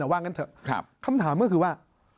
ว่างั้นเถอะคำถามก็คือว่า